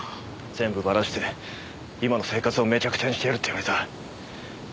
全部バラして今の生活をめちゃくちゃにしてやるって言われた。